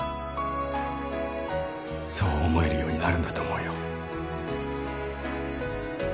そう思えるようになるんだと思うよ。